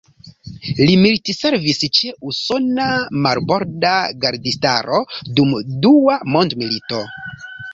Li militservis ĉe Usona Marborda Gardistaro dum Dua Mondmilito.